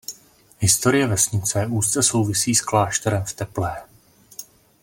Historie vesnice úzce souvisí s klášterem v Teplé.